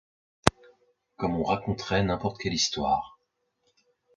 Comme on raconterait n'importe quelle histoire.